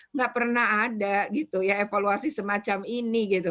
nggak pernah ada evaluasi semacam ini